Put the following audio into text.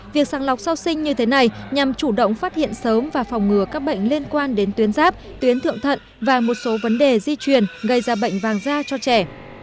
việc sàng lọc sơ sinh như thế này nhằm chủ động phát hiện sớm và phòng ngừa các bệnh liên quan đến tuyến giáp tuyến thượng thận và một số vấn đề di truyền gây ra bệnh vàng da cho trẻ